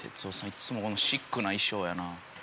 いつもこのシックな衣装やな。